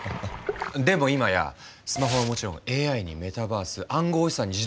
でも今やスマホはもちろんＡＩにメタバース暗号資産に自動運転